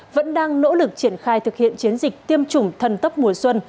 vẫn đang nỗ lực triển khai thực hiện chiến dịch tiêm chủng thần tấp mùa xuân